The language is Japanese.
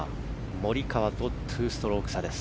モリカワと２ストローク差です。